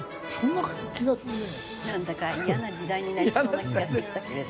なんだかイヤな時代になりそうな気がしてきたけれど。